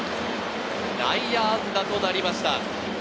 内野安打となりました。